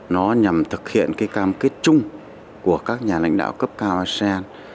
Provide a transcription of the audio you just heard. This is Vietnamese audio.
nó nhằm thực hiện cái cam kết chung của các nhà lãnh đạo cấp cao asean